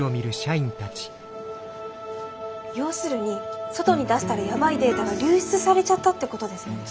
要するに外に出したらやばいデータが流出されちゃったってことですよね？